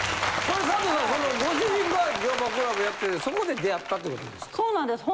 そのご主人が乗馬クラブやっててそこで出会ったってことですか？